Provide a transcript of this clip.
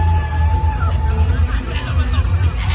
มันเป็นเมื่อไหร่แล้ว